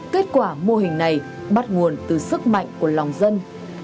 kết quả mô hình này bắt nguồn từ sức mạnh của lòng dân